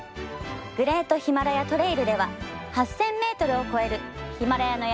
「グレートヒマラヤトレイル」では８，０００ｍを超えるヒマラヤの山々を望み